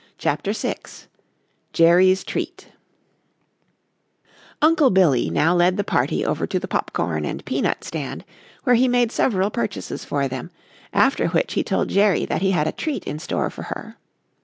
CHAPTER VI JERRY'S TREAT Uncle Billy now led the party over to the pop corn and peanut stand where he made several purchases for them, after which he told Jerry that he had a treat in store for her.